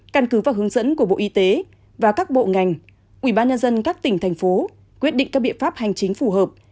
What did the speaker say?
căn cứ và hướng dẫn của bộ y tế và các bộ ngành ubnd các tỉnh thành phố quyết định các biện pháp hành chính phù hợp